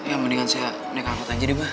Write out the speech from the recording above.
ya mendingan saya naik kakot aja mbah